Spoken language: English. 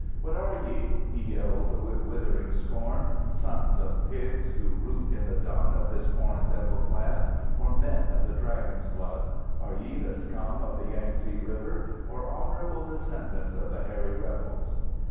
"What are ye?" he yelled with withering scorn. "Sons of pigs who root in the dung of this Foreign Devil's land, or men of the Dragon's blood? Are ye the scum of the Yangtze River or honourable descendants of the Hairy Rebels?